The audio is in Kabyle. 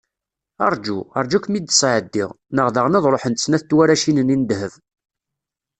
Arǧu, arǧu ad kem-id-sɛeddiɣ, neɣ daɣen ad ruḥent snat n twaracin-nni n ddheb.